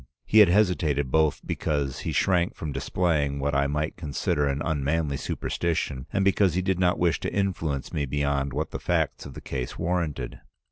He had hesitated both because he shrank from displaying what I might consider an unmanly superstition, and because he did not wish to influence me beyond what the facts of the case warranted.